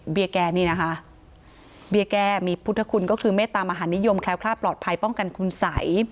แก้นี่นะคะเบี้ยแก้มีพุทธคุณก็คือเมตตามหานิยมแคล้วคลาดปลอดภัยป้องกันคุณสัย